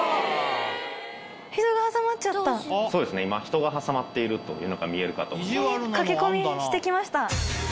そうですね今人が挟まっているというのが見えるかと思います。